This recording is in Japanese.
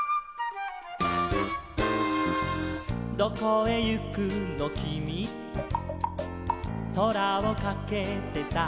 「どこへ行くのきみ」「空をかけてさ」